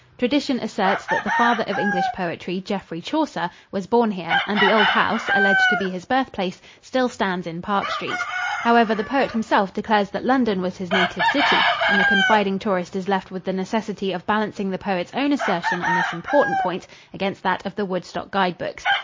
Tradition asserts that the father of English poetry, Geoffrey Chaucer, was born here and the old house, alleged to be his birthplace, still stands in Park Street. However, the poet himself declares that London was his native city and the confiding tourist is left with the necessity of balancing the poet's own assertion on this important point against that of the Woodstock guide books.